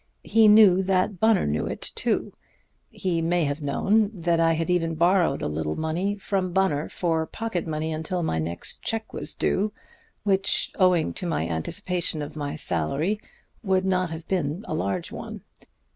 He knew that Bunner knew it, too. He may have known that I had even borrowed a little more from Bunner for pocket money until my next check was due, which, owing to my anticipation of my salary, would not have been a large one.